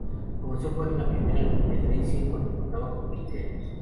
Comenzó a jugar en la primera de Racing cuando contaba con quince años.